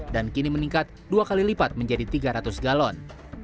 dan kini meningkat dua kali lipat menjadi tiga ratus galon